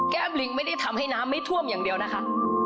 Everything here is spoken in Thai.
ลิงไม่ได้ทำให้น้ำไม่ท่วมอย่างเดียวนะคะ